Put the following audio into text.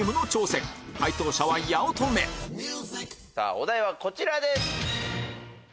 続いてお題はこちらです。